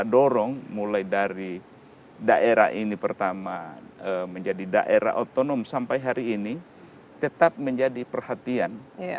kita dorong mulai dari daerah ini pertama menjadi daerah otonom sampai hari ini tetap menjadi perhatian